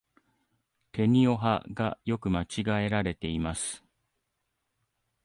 てにをはが、よく間違えられています。